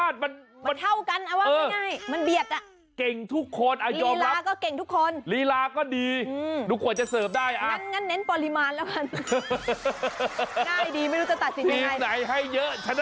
อันนี้ล่ะค่ะถูกใจมาก